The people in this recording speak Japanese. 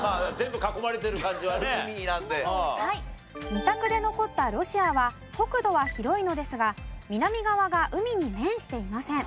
２択で残ったロシアは国土は広いのですが南側が海に面していません。